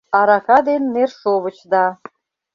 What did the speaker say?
АРАКА ДЕН НЕРШОВЫЧ ДА...